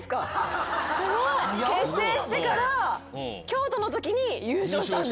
結成してから京都のときに優勝したんだ。